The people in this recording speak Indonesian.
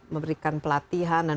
memberikan pelatihan dan